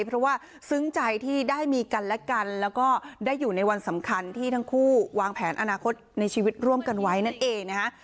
เพราะว่าซึ้งใจที่ได้มีกันและกันแล้วก็ได้อยู่ในวันสำคัญที่ทั้งคู่วางแผนอนาคตในชีวิตร่วมกันไว้นั่นเองนะฮะ